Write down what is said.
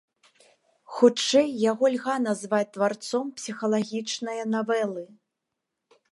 Хутчэй яго льга назваць тварцом псіхалагічнае навелы.